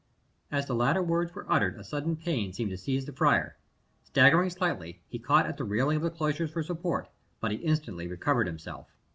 As the latter words were uttered a sudden pain seemed to seize the friar. Staggering slightly, he caught at the railing of the cloisters for support, but he instantly recovered himself.